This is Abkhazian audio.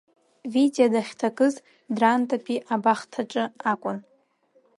Витиа дахьҭакыз Драндатәи абахҭаҿы акәын.